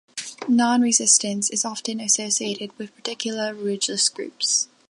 Nonresistance is often associated with particular religious groups.